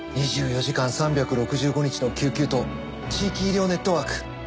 ２４時間３６５日の救急と地域医療ネットワーク。